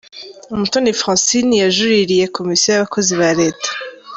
Umutoni Francine yajuririye Komisiyo y’abakozi ba Leta.